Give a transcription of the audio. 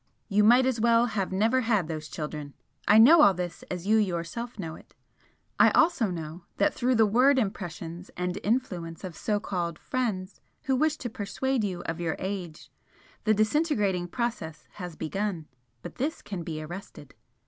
You might as well have never had those children! I know all this as you yourself know it I also know that through the word impressions and influence of so called 'friends' who wish to persuade you of your age, the disintegrating process has begun, but this can be arrested.